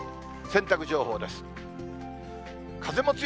洗濯情報です。